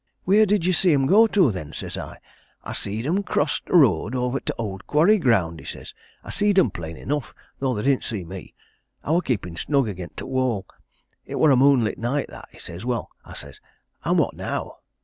'Where did you see 'em go to, then?' says I. 'I see'd 'em cross t' road into t' owd quarry ground,' he says. 'I see'd 'em plain enough, tho' they didn't see me I wor keepin' snug agen 't wall it wor a moonlit night, that,' he says. 'Well,' I says, 'an' what now?'